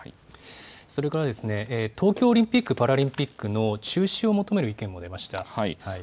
それから、東京オリンピック・パラリンピックの中止を求める意見も出ました。